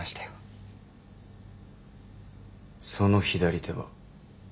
その左手は？